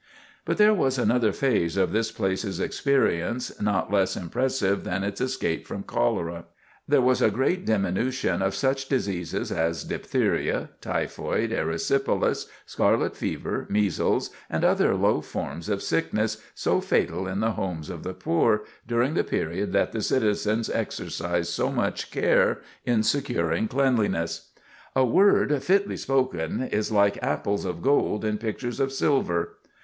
But there was another phase of this place's experience not less impressive than its escape from cholera. There was a great diminution of such diseases as diphtheria, typhoid, erysipelas, scarlet fever, measles, and other low forms of sickness, so fatal in the homes of the poor, during the period that the citizens exercised so much care in securing cleanliness. [Sidenote: The Word Fitly Spoken] "A word fitly spoken is like apples of gold in pictures of silver."